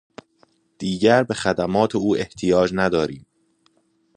دیگر به خدمات او احتیاج نداریم.